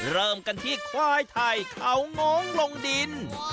เริ่มกันที่ควายไทยเขาง้องลงดิน